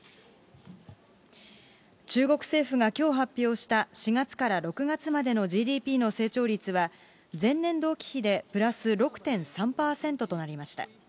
中国政府がきょう発表した４月から６月までのＧＤＰの成長率は、前年同期比でプラス６．３％となりました。